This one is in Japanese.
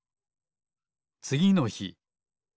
つぎのひ。